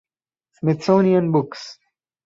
Smithsonian Books.